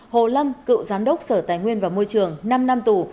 hồ lâm cựu giám đốc sở tài nguyên và môi trường năm năm tù